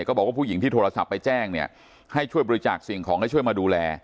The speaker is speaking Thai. บอกว่าผู้หญิงที่โทรศัพท์ไปแจ้งเนี่ยให้ช่วยบริจาคสิ่งของให้ช่วยมาดูแล